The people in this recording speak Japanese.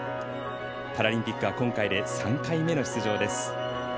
パラリンピックは今回で３回目の出場です。